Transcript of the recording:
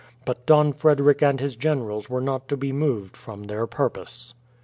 But Don Frederick and his generals were not to be moved from their purpose.